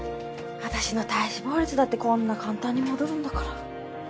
私の体脂肪率だってこんな簡単に戻るんだから。